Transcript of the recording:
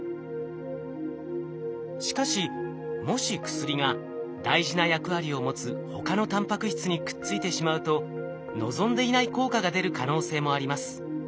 しかしもし薬が大事な役割を持つ他のタンパク質にくっついてしまうと望んでいない効果が出る可能性もあります。